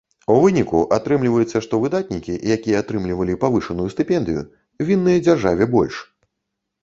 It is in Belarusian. У выніку атрымліваецца, што выдатнікі, якія атрымлівалі павышаную стыпендыю, вінныя дзяржаве больш.